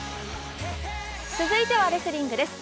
続いてはレスリングです。